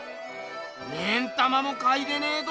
目ん玉もかいてねえど！